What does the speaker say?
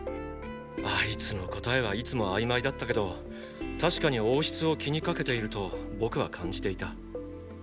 あいつの答えはいつも曖昧だったけど確かに王室を気にかけていると僕は感じていた。